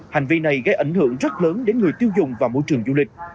hành vi này gây ảnh hưởng rất lớn đến người tiêu dùng và môi trường du lịch